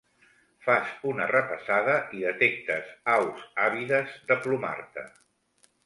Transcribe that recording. Fas una repassada i detectes aus àvides de plomar-te.